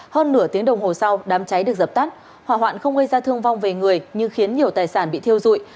hơn nửa tiếng đồng hồ sau đám cháy được dập tắt hỏa hoạn không gây ra thương vong về người nhưng khiến nhiều tài sản bị thiêu dụi